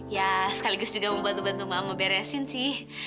ya sekaligus juga membantu bantu mama beresin sih